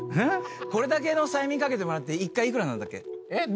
これだけの催眠かけてもらって１回幾らなんだっけ？